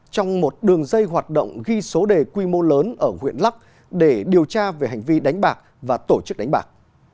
trong một đường dây hoạt động ghi số đề quy mô lớn ở huyện lắc để điều tra về hành vi đánh bạc và tổ chức đánh bạc